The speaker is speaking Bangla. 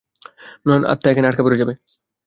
নয়ত আত্মা এখানে আটকা পড়ে যাবে।